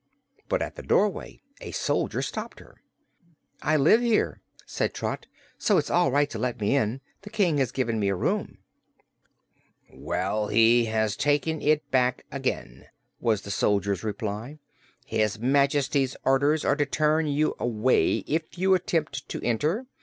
But at the doorway a soldier stopped her. "I live here," said Trot, "so it's all right to let me in. The King has given me a room." "Well, he has taken it back again," was the soldier's reply. "His Majesty's orders are to turn you away if you attempt to enter.